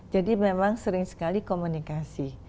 jadi memang sering sekali komunikasi